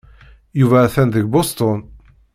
Yuba atan deg Boston.